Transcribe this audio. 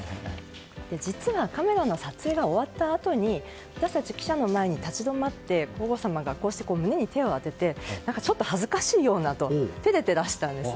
実はカメラの撮影が終わったあとに私たち記者の前に立ち止まって皇后さまが胸に手を当ててちょっと恥ずかしいようなと照れていらしたんです。